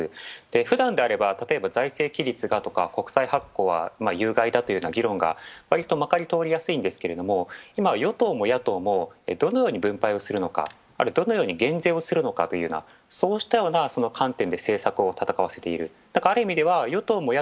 ふだんであれば財政規律が、国債発行は有害だというような議論が割とまかり通りやすいんですけれども今、与党も野党もどのように分配をするのか、あるいはどのように減税するのかという観点で政策を戦わせている。